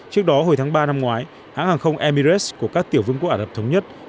trước đó hồi tháng ba năm ngoái hãng hàng không emirates của các tiểu vương quốc ả rập thống nhất